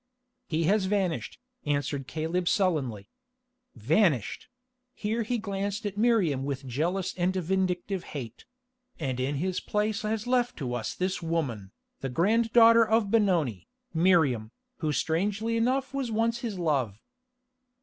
"He has vanished," answered Caleb sullenly. "Vanished"—here he glanced at Miriam with jealous and vindictive hate—"and in his place has left to us this woman, the grand daughter of Benoni, Miriam, who strangely enough was once his love."